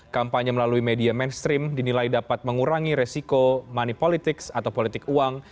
kampanye melalui media mainstream dinilai dapat mengurangi resiko money politics atau politik uang